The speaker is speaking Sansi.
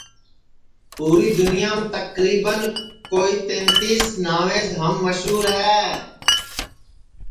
پوری دُنیام تقریباً کوئی تینتیس ناویس ہم مشور ہے